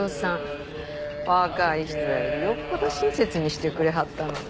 若い人よりよっぽど親切にしてくれはったのに。